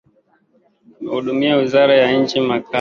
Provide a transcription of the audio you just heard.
Amehudumia wizara ya nchi makamu wa Rais na muungano kwa miaka miwili